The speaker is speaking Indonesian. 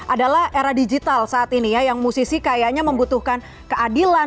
adalah era digital saat ini ya yang musisi kayaknya membutuhkan keadilan